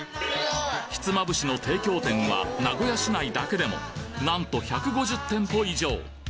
ひつまぶしの提供店は、名古屋市内だけでもなんと１５０店舗以上。